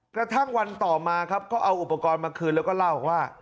กระทั่งวันต่อมาครับก็เอาอุปกรณ์มาคืนแล้วก็เล่าว่า